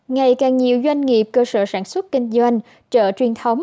ngày càng nhiều doanh nghiệp cơ sở sản xuất kinh doanh chợ truyền thống